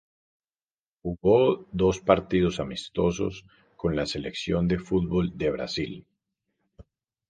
Jugó dos partidos amistosos con la selección de fútbol de Brasil.